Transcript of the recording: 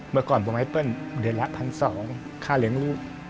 เมื่อก่อนผมให้เปิ้ลเดือนละ๑๒๐๐ค่าเลี้ยงลูก